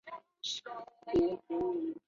闽中十才子之一。